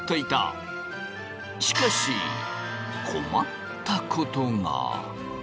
しかし困ったことが。